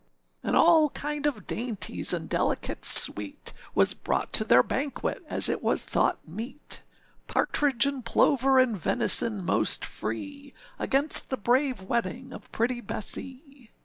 And all kind of dainties and delicates sweet, Was brought to their banquet, as it was thought meet, Partridge, and plover, and venison most free, Against the brave wedding of pretty Bessee.